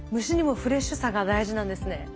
虫にもフレッシュさが大事なんですね。